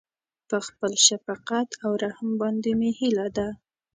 په خپل شفقت او رحم باندې مې هيله ده.